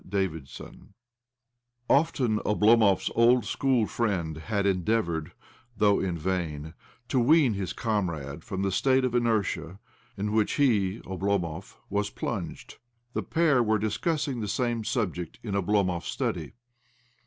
PART II I Often Oblomov's old school friend had endeavoured — though in vain — to wean his, comrade from the state of inertia in which he (Oblomov) was plimged. The pair were discussing the same subject in Oblomov's study.